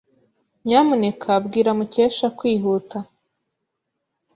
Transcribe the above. Nyamuneka bwira Mukesha kwihuta.